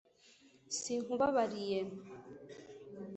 sinkubabariye